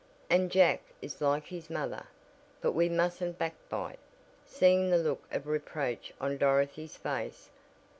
"And Jack is like his mother. But we musn't back bite," seeing the look of reproach on Dorothy's face.